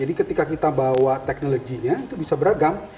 jadi ketika kita bawa teknologinya itu bisa beragam